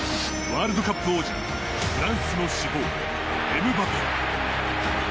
ワールドカップ王者・フランスの至宝、エムバペ。